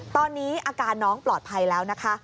ตอนนี้อาการน้องปลอดภัยแล้วนะคะ